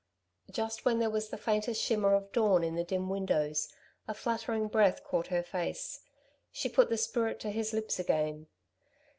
Just when there was the faintest shimmer of dawn in the dim windows, a fluttering breath caught her face. She put the spirit to his lips again.